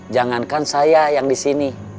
jangankan saya yang disini